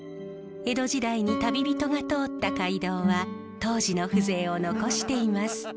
江戸時代に旅人が通った街道は当時の風情を残しています。